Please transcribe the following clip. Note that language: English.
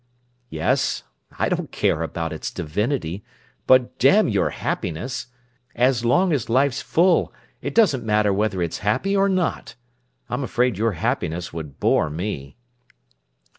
"Yes. I don't care about its divinity. But damn your happiness! So long as life's full, it doesn't matter whether it's happy or not. I'm afraid your happiness would bore me."